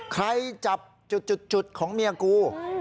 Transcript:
ใครจับจุดของเมียกู